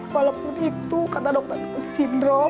walaupun itu kata dokter down sindrom